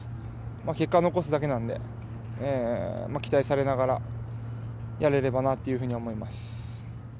結果を残すだけなんで、期待されながら、やれればなというふうには思います。